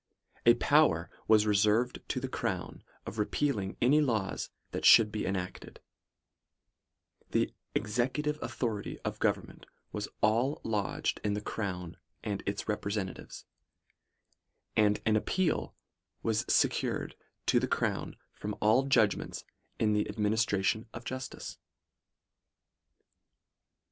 A power was reserved to the crown of repealing any laws that should be enacted : the executive authority of gov ernment was also lodged in the crown, and its rep resentatives ; and an appeal was secured to the crown from all judgments in the administration of justice.